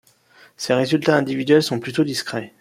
Ses résultats individuels sont plutôt discrets.